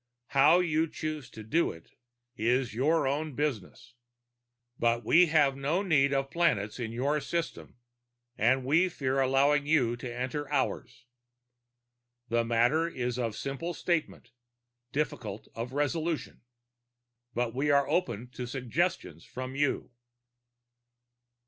How you choose to do it is your own business. But we have no need of planets in your system, and we fear allowing you to enter ours. The matter is simple of statement, difficult of resolution. But we are open to suggestions from you."